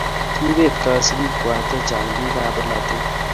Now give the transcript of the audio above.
kiibet kasubikwak che chang' biikab bolatet